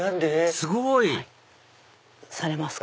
すごい！されますか？